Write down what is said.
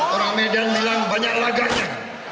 orang medan bilang banyak laganya